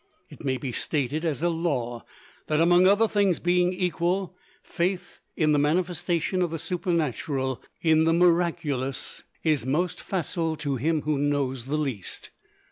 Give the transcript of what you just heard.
It may be stated as a law that, other things being equal, faith in the manifestation of the Supernatural in the miraculous is most facile to him who knows the least.